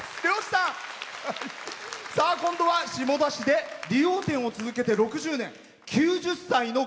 今度は下田市で理容店を続けて６０年。